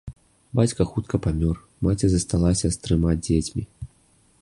Бацька хутка памёр, маці засталася з трыма дзецьмі.